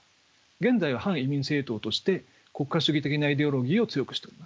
現在は反移民政党として国家主義的なイデオロギーを強くしております。